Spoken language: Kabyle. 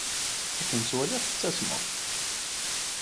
Akken ttwaliɣ tettasmeḍ.